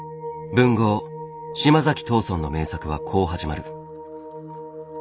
文豪島崎藤村の名作はこう始まる。